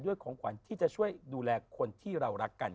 ของขวัญที่จะช่วยดูแลคนที่เรารักกัน